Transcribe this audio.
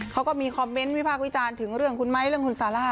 เขาก็มีคอมเมนต์วิพากษ์วิจารณ์ถึงเรื่องคุณไม้เรื่องคุณซาร่า